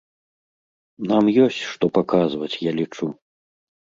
Нам ёсць што паказваць, я лічу.